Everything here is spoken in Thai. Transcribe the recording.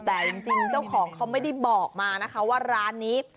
แต่จริงเจ้าของเขาไม่ได้บอกมานะคะว่าร้านนี้